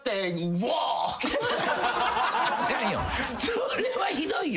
それはひどいよ！